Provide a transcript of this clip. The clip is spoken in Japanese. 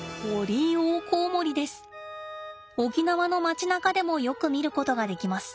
沖縄の街なかでもよく見ることができます。